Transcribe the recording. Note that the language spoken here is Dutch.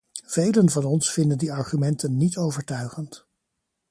Velen van ons vinden die argumenten niet overtuigend.